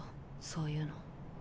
そういうの。